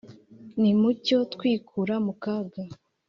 Nimucyo twikura mu kaga !